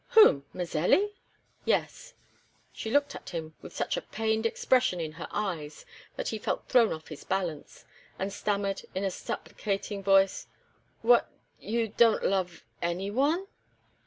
"Whom? Mazelli?" "Yes." She looked at him with such a pained expression in her eyes that he felt thrown off his balance, and stammered, in a supplicating voice: "What? you don't love anyone?"